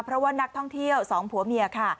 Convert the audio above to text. เพราะว่านักท่องเที่ยวสองผัวเมียค่ะ